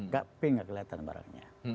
tapi nggak kelihatan barangnya